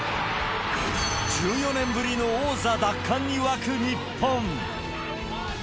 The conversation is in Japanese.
１４年ぶりの王座奪還に沸く日本。